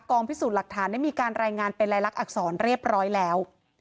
พิสูจน์หลักฐานได้มีการรายงานเป็นลายลักษรเรียบร้อยแล้ว